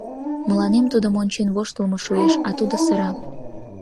Мыланем тудым ончен воштылмо шуэш, а тудо сыра.